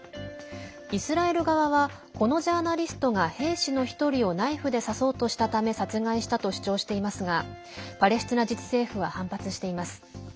イスラエル側はこのジャーナリストが兵士の１人をナイフで刺そうとしたため殺害したと主張していますがパレスチナ自治政府は反発しています。